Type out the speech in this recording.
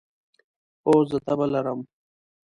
هو، زه تبه لرم